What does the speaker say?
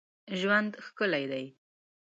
ژوند ښکلی دی.